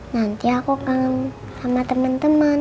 nanti aku kangen sama temen temen